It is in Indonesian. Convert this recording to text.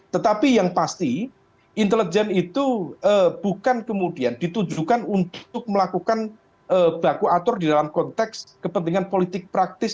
tetapi yang pasti intelijen itu bukan kemudian ditujukan untuk melakukan baku atur di dalam konteks kepentingan politik praktis